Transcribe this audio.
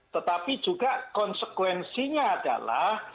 tetapi juga konsekuensinya adalah